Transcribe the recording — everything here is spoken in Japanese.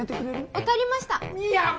分かりました深山！